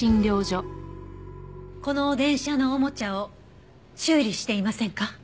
この電車のおもちゃを修理していませんか？